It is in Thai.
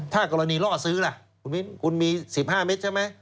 ถ้ากรณีล่อซื้อล่ะคุณมี๑๕เมตรใช่ไหม